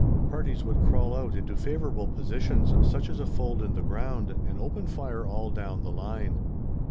Parties would crawl out into favourable positions, such as a fold in the ground, and open fire all down the line.